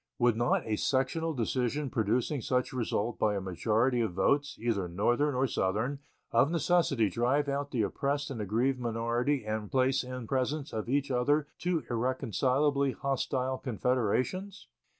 Would not a sectional decision producing such result by a majority of votes, either Northern or Southern, of necessity drive out the oppressed and aggrieved minority and place in presence of each other two irreconcilably hostile confederations?